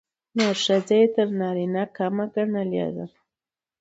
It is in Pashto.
نو ښځه يې تر نارينه کمه ګڼلې ده.